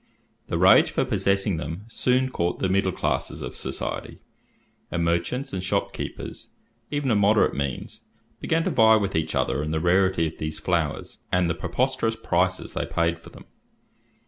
The rage for possessing them soon caught the middle classes of society, and merchants and shopkeepers, even of moderate means, began to vie with each other in the rarity of these flowers and the preposterous prices they paid for them.